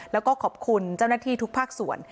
แล้วก็ขอบคุณเจ้าหน้าที่ทุกภาคส่วน